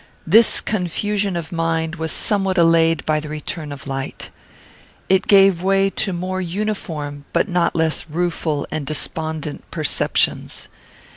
This confusion of mind was somewhat allayed by the return of light. It gave way to more uniform but not less rueful and despondent perceptions.